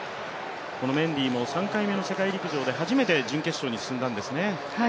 メンディーも３回目の世界陸上で初めて準決勝に進んだんですね。